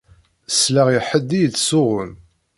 Selleɣ i ḥedd i yettsuɣun.